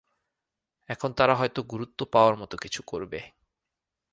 এখন তারা হয়তো গুরুত্ব পাওয়ার মতো কিছু করবে।